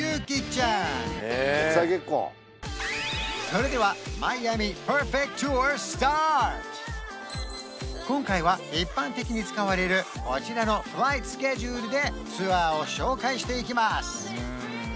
それでは今回は一般的に使われるこちらのフライトスケジュールでツアーを紹介していきます